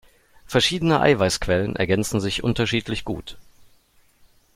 Verschiedene Eiweißquellen ergänzen sich unterschiedlich gut.